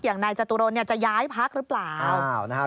อย่างนายจตุรนจะย้ายพักหรือเปล่า